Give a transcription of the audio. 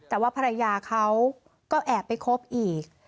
แต่ว่าภรรยาเขาก็แอบไปคบอีก